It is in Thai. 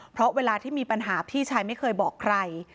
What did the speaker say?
เพราะเวลาที่มีปัญหาพี่ชายไม่เคยบอกใคร